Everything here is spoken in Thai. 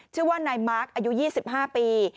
ชื่อว่านายมาร์คอายุ๒๕ปี